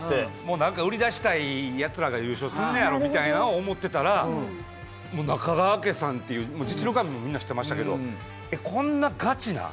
何か売り出したいやつが優勝するんやろうみたいなのを思ってたら、中川家さんという、実力はみんな知ってましたけど、こんなガチなん？